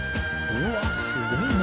うわすごいね。